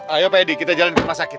ayo pedi kita jalanin ke rumah sakit